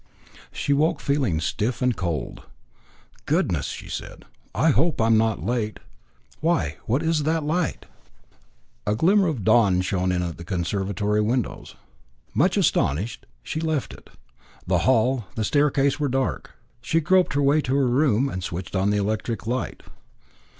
She woke, feeling stiff and cold. "Goodness!" said she, "I hope I am not late. Why what is that light?" The glimmer of dawn shone in at the conservatory windows. Much astonished, she left it. The hall, the staircase were dark. She groped her way to her room, and switched on the electric light.